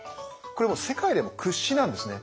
これもう世界でも屈指なんですね。